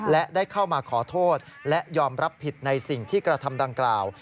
และได้เข้ามาขอโทษและยอมรับผิดในสิ่งที่กระทำดังกล่าว